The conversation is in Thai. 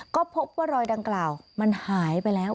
ก็พบว่ารอยดังกล่าวมันหายไปแล้ว